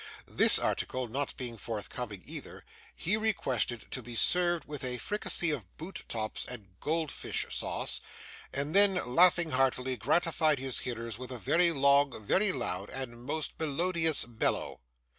This article not being forthcoming either, he requested to be served with a fricassee of boot tops and goldfish sauce, and then laughing heartily, gratified his hearers with a very long, very loud, and most melodious bellow.